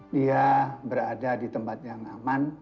dia berada di tempat yang aman